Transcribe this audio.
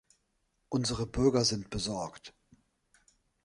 Unsere Bürger sind besorgt.